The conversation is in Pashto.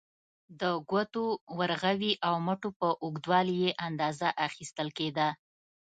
د ګوتو، ورغوي او مټو په اوږدوالي یې اندازه اخیستل کېده.